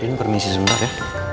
ini pernisis bentar ya